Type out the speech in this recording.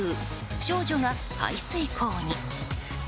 少女が排水溝に。